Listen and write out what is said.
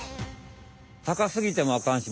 高すぎてもあかんし